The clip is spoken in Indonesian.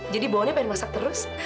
jadi bohongnya pengen masak terus